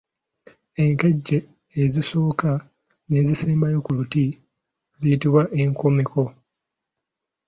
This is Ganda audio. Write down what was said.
Enkejje ezisooka n’ezisemba ku luti ziyitbwa Enkomeko.